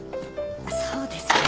そうですね。